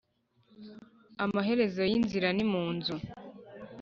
Amaherezo y’inzira ni mu nzu.